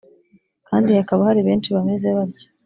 kandi hakaba hari benshi bameze batyo